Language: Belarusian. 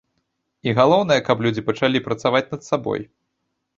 І галоўнае, каб людзі пачалі працаваць над сабой.